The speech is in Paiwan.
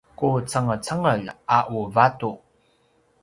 qucengecengel a u vatu